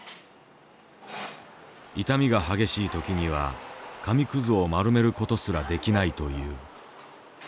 痛みが激しい時には紙くずを丸めることすらできないという。